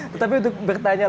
tetapi untuk bertanya tanya